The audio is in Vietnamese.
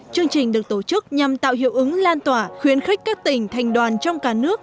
chương trình được tổ chức nhằm tạo hiệu ứng lan tỏa khuyến khích các tỉnh thành đoàn trong cả nước